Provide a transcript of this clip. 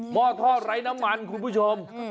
ห้อท่อไร้น้ำมันคุณผู้ชม